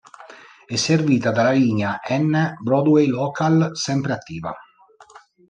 È servita dalla linea N Broadway Local, sempre attiva.